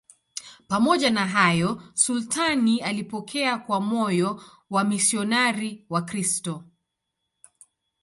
Pamoja na hayo, sultani alipokea kwa moyo wamisionari Wakristo.